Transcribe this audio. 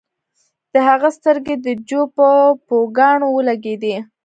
د هغه سترګې د جو په پوکاڼو ولګیدې